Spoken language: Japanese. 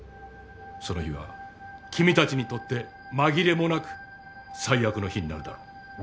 その日は君たちにとって紛れもなく最悪の日になるだろう。